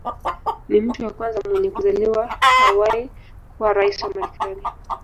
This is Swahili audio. Ni mtu wa kwanza mwenye kuzaliwa Hawaii kuwa rais wa Marekani